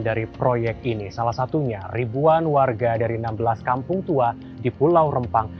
dari proyek ini salah satunya ribuan warga dari enam belas kampung tua di pulau rempang